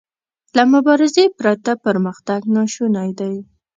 له مبارزې پرته پرمختګ ناشونی دی.